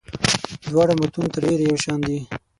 دواړه متون تر ډېره یو شان دي.